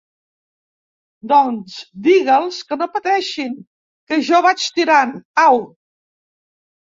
Doncs digue'ls que no pateixin, que jo vaig tirant, au!